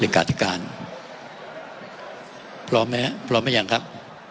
ริการติการพร้อมไหมพร้อมไหมยังครับ